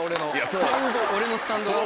俺のスタンドが？